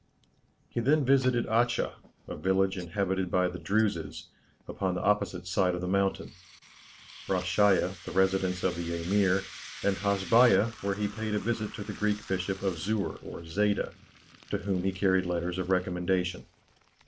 He then visited Achha, a village inhabited by the Druses, upon the opposite side of the mountain; Rasheiya, the residence of the Emir; and Hasbeiya, where he paid a visit to the Greek Bishop of Szur or Szeida, to whom he carried letters of recommendation.